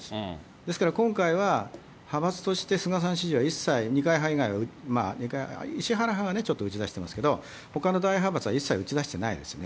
ですから今回は、派閥として菅さん支持は一切、二階派以外は、石原派はね、ちょっと打ち出してますけど、ほかの大派閥は一切打ち出してないですね。